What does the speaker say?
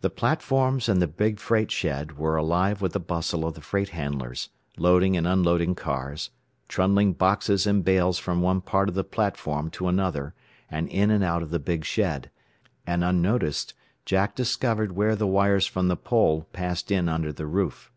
The platforms and the big freight shed were alive with the bustle of the freight handlers, loading and unloading cars, trundling boxes and bales from one part of the platform to another and in and out of the big shed; and unnoticed, Jack discovered where the wires from the pole passed in under the roof.